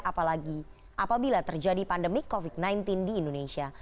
apalagi apabila terjadi pandemi covid sembilan belas di indonesia